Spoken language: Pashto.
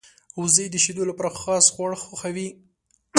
وزې د شیدو لپاره خاص خواړه خوښوي